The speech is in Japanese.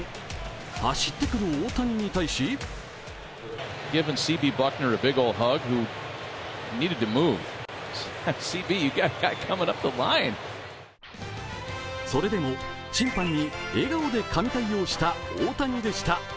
走ってくる大谷に対しそれでも審判に笑顔で神対応した大谷でした。